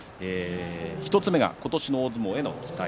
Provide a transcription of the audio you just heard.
１つ目が今年の大相撲への期待